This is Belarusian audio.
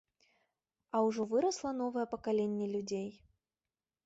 А ўжо вырасла новае пакаленне людзей.